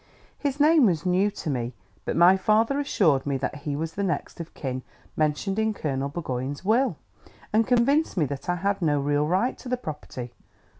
"His name was new to me, but my father assured me that he was the next of kin mentioned in Colonel Burgoyne's will, and convinced me that I had no real right to the property....